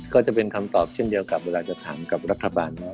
ก็จะเป็นคำตอบเช่นเดียวกับเวลาจะถามกับรัฐบาลไหม